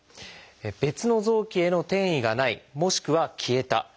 別の臓器への転移がないもしくは消えた。